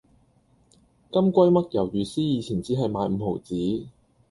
金龜嘜魷魚絲以前只係買五毫子